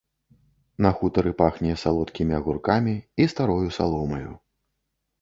На хутары пахне салодкімі агуркамі і старою саломаю.